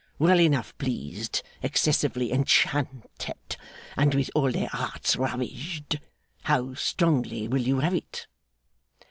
Well enough pleased, excessively enchanted, and with all their hearts ravished. How strongly will you have it?